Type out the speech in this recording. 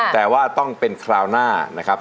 แต่ว่าต้องเป็นคราวหน้านะครับ